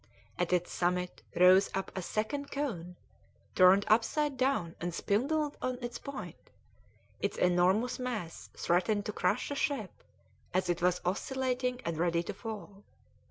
At its summit rose up a second cone, turned upside down and spindled on its point; its enormous mass threatened to crush the ship, as it was oscillating and ready to fall.